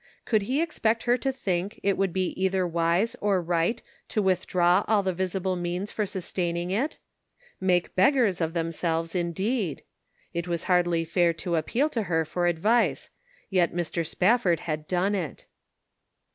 Could he expect her to think it would be either wise or right to withdraw all the visible means for sustaining it? Make beggars of themselves, indeed. It was hardly fair to appeal to her for advice. Yet Mr. Spafford had done it.